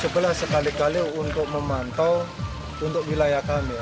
sebelah sekali kali untuk memantau untuk wilayah kami